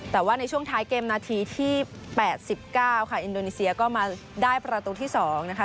แต่ว่าในช่วงท้ายเกมนาทีที่๘๙ค่ะอินโดนีเซียก็มาได้ประตูที่๒นะคะ